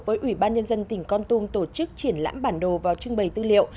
với ủy ban nhân dân tỉnh con tum tổ chức triển lãm bản đồ vào trưng bày tư liệu